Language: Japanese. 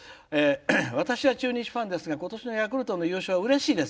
「私は中日ファンですがことしのヤクルトの優勝はうれしいです。